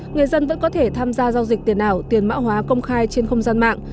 người dân vẫn có thể tham gia giao dịch tiền ảo tiền mã hóa công khai trên không gian mạng